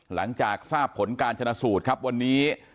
หลังจากทราบผลการชนะสูตรครับวันนี้